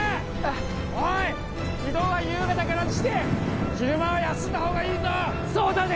おい移動は夕方からにして昼間は休んだほうがいいぞそうだね